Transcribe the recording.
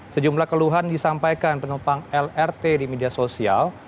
sejumlah keluhan disampaikan penumpang lrt di media sosial